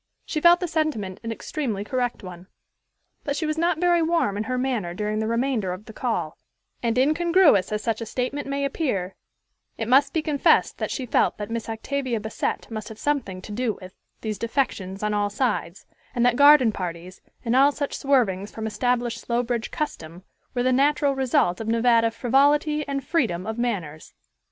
She felt the sentiment an extremely correct one. But she was not very warm in her manner during the remainder of the call; and, incongruous as such a statement may appear, it must be confessed that she felt that Miss Octavia Bassett must have something to do with these defections on all sides, and that garden parties, and all such swervings from established Slowbridge custom, were the natural result of Nevada frivolity and freedom of manners.